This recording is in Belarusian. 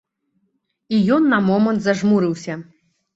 І ён на момант зажмурыўся.